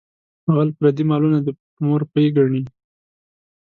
غل پردي مالونه د مور پۍ ګڼي.